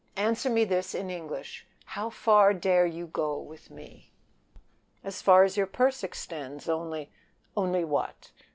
Answer me this in English. How far dare you go along with me?" "As far as your purse extends: only " "Only what?